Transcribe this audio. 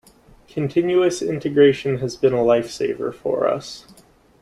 Continuous Integration has been a lifesaver for us.